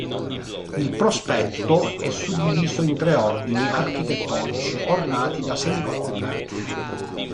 Il prospetto è suddiviso in tre ordini architettonici ornati da semicolonne.